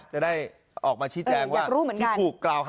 จะได้ออกมาชี้แจงว่าที่ถูกกล่าวหา